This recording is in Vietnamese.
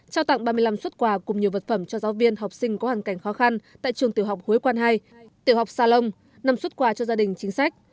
trao tặng ba mươi năm xuất quà cùng nhiều vật phẩm cho giáo viên học sinh có hoàn cảnh khó khăn tại trường tiểu học huế quan hai tiểu học sa lông năm xuất quà cho gia đình chính sách